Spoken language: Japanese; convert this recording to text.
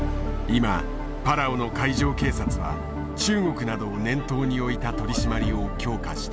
今パラオの海上警察は中国などを念頭に置いた取締りを強化している。